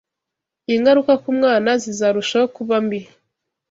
ingaruka ku mwana zizarushaho kuba mbi